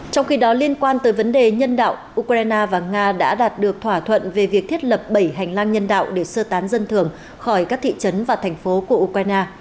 trong khi đó liên quan tới vấn đề nhân đạo ukraine và nga đã đạt được thỏa thuận về việc thiết lập bảy hành lang nhân đạo để sơ tán dân thường khỏi các thị trấn và thành phố của ukraine